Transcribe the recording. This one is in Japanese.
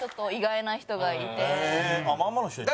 まんまの人いた？